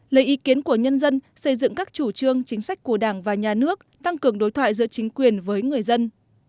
lấy ý kiến của nhân dân xây dựng các chủ trương chính sách của đảng và nhà nước tăng cường đối thoại giữa chính quyền với người dân